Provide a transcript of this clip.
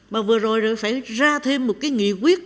mà vừa rồi rồi phải ra thêm một cái nghị quyết